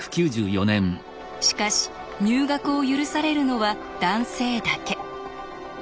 しかし入学を許されるのは男性だけ。